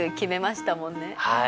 はい。